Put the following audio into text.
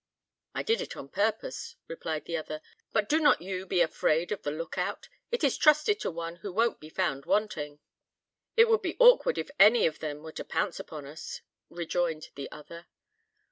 "I did it on purpose," replied the other; "but do not you be afraid of the look out. It is trusted to one who won't be found wanting." "It would be awkward if any of them were to pounce upon us," rejoined the other.